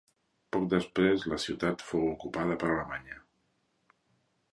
Poc després la ciutat fou ocupada per Alemanya.